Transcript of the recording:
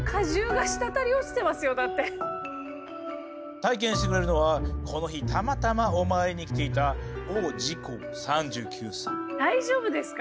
体験してくれるのはこの日たまたまお参りに来ていた大丈夫ですか？